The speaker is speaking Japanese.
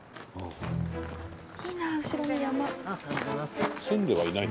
いいな後ろに山。